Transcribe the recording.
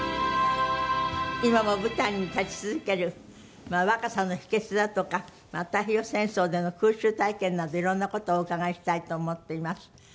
今も舞台に立ち続ける若さの秘訣だとか太平洋戦争での空襲体験などいろんな事をお伺いしたいと思っています。